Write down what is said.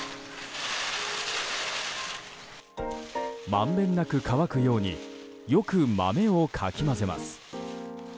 まんべんなく乾くようによく豆をかき混ぜます。